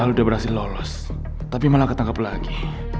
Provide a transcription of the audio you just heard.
udah berhasil lolos tapi malah ketangkap lagi